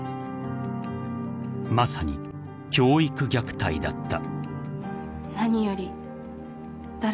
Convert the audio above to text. ［まさに教育虐待だった］